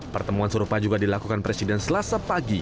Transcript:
pertemuan serupa juga dilakukan presiden selasa pagi